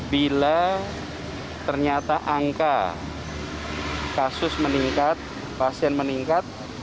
bila ternyata angka kasus meningkat pasien meningkat